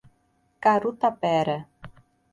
Carutapera